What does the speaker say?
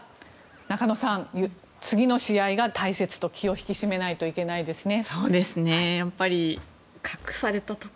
中野さん、次の試合が大切気を引き締めないといけないですね。